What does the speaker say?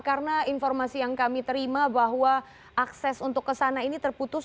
karena informasi yang kami terima bahwa akses untuk kesana ini terputus